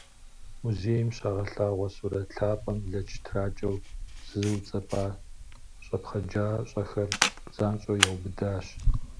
Музейм щагъэлъагъуэ сурэт лъапӏэм лэч тракӏэу зыуцӏэпӏа щӏэпхъэджащӏэхэр занщӏэу яубыдащ.